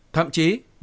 thậm chí nhiều bộ ngành